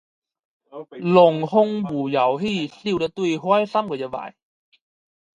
玩恐怖游戏笑得最开心的一位